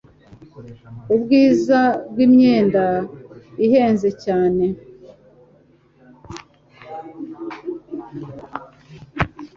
Ubwiza bwimyenda ihenze cyane.